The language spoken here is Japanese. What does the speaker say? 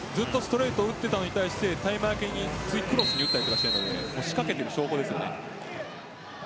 ずっとストレートに打っていたの対してクロスに打ったりしているので仕掛けている証拠です。